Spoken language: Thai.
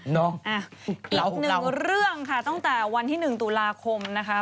อีกหนึ่งเรื่องค่ะตั้งแต่วันที่๑ตุลาคมนะคะ